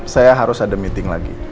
saya harus ada meeting lagi